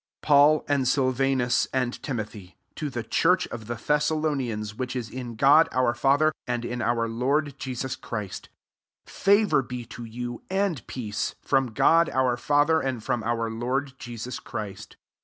1 PAUL and Sylvanus, and Timothy, to the church of the Thessak>nians which is in God our Father, and in our Lord Jesus Christ: 2 favour be to you, and peace, from God [our] Father, and^ow our Lord Je sus Christ.